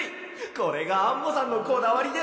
これがアンモさんのこだわりでしたか。